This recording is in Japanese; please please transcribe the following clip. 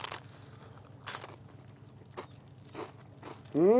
うん！